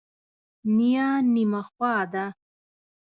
نیا نیمه خوا ده.